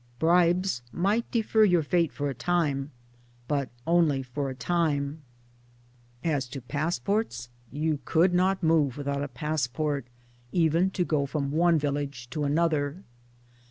Bribes might defer your fate for a time but only for a time. As to 12 J7.S MY DAYS AND DREAMS passports, you could not move without a passport even to go from one village to another.